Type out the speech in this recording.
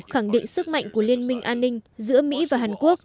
khẳng định sức mạnh của liên minh an ninh giữa mỹ và hàn quốc